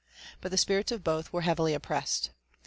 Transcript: — But the spirits of both were heavily oppressed.